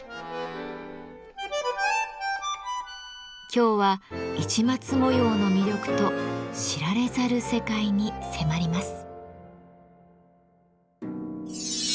今日は市松模様の魅力と知られざる世界に迫ります。